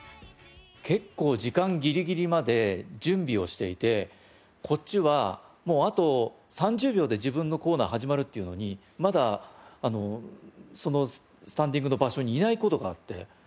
結構時間ギリギリまで準備をしていてこっちはもうあと３０秒で自分のコーナー始まるっていうのにまだそのスタンディングの場所にいない事があって。